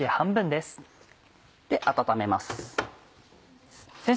温めます。